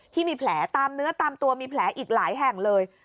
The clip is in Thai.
ที่มีแผลตามเนื้อตามตัวมีแผลอีกหลายแห่งเลย